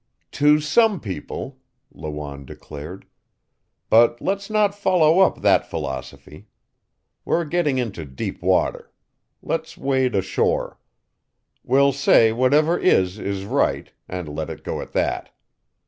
"To some people," Lawanne declared. "But let's not follow up that philosophy. We're getting into deep water. Let's wade ashore. We'll say whatever is is right, and let it go at that.